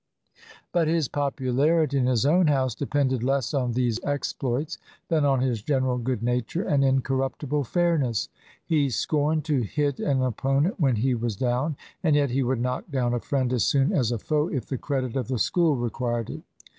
But his popularity in his own house depended less on these exploits than on his general good nature and incorruptible fairness. He scorned to hit an opponent when he was down, and yet he would knock down a friend as soon as a foe if the credit of the School required it.